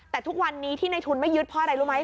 แต่ทุกวันนี้ที่ในทุนไม่ยึดเพราะอะไรรู้ไหม